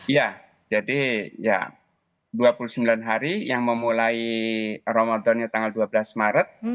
ya jadi ya dua puluh sembilan hari yang memulai ramadannya tanggal dua belas maret